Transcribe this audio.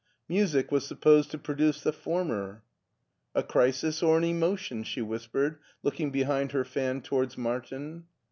Music was supposed to produce the former. " A crisis or an emotion ?'* she whispered, looking behind her fan towards Martin.